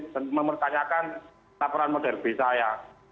dan mempertanyakan laporan menteri rbi saya